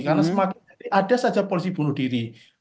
karena ada saja polisi bunuh diri